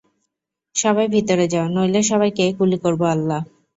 সবাই ভিতরে যাও, নইলে সবাইকে গুলি করবো আল্লাহ!